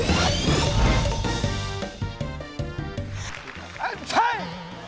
ไอ้ใช่